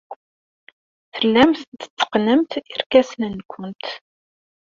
Tellamt tetteqqnemt irkasen-nwent.